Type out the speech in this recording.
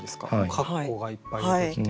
括弧がいっぱい出てきて。